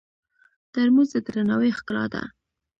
ترموز د درناوي ښکلا ده.